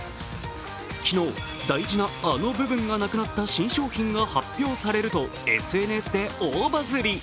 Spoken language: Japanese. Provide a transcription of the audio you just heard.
昨日、大事なあの部分がなくなった新商品が発表されるとＳＮＳで大バズり。